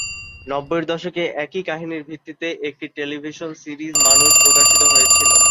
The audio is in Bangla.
নব্বইয়ের দশকে, একই কাহিনীর ভিত্তিতে একটি টেলিভিশন সিরিজ মানুষ প্রকাশিত হয়েছিল।